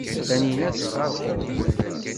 Taninna tesxerxur.